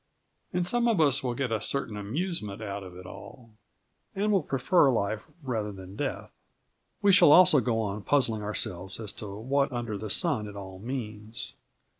And some of us will get a certain amusement out of it all, and will prefer life rather than death. We shall also go on puzzling ourselves as to what under the sun it all means.